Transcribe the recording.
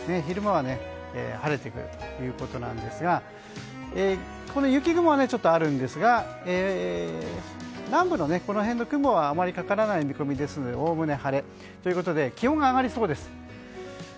昼間は晴れてくるということなんですが雪雲がちょっとあるんですが南部のこの辺の雲はあまりかからない見込みですのでおおむね晴れ。ということで気温が上がりそうです。